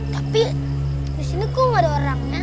tapi disini kok gak ada orangnya